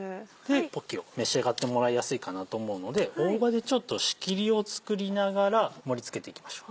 ポキを召し上がってもらいやすいかなと思うので大葉で仕切りを作りながら盛り付けていきましょう。